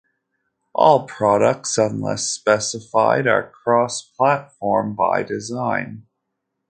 All products, unless specified, are cross-platform by design.